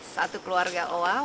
satu keluarga oa